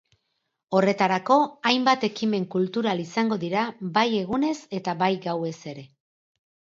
Horretarako, hainbat ekimen kultural izango dira bai egunez eta bai gauez ere.